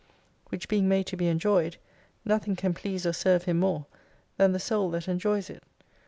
Which being made to be enjoyed, nothing can please or serve Him more, than the Soul that enjoys it.